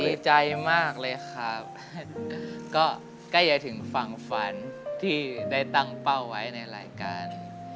ดีใจมากเลยครับก็ใกล้จะถึงฝั่งฝันที่ได้ตั้งเป้าไว้ในรายการ